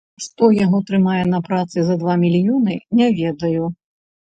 Што яго трымае на працы за два мільёны, не ведаю.